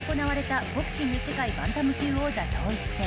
７日に行われたボクシング世界バンタム級王座統一戦。